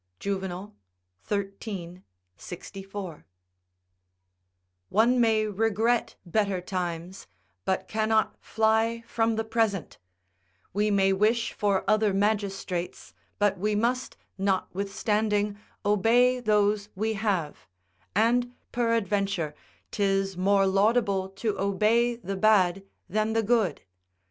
Juvenal, xiii. 64.] One may regret better times, but cannot fly from the present; we may wish for other magistrates, but we must, notwithstanding, obey those we have; and, peradventure, 'tis more laudable to obey the bad than the good.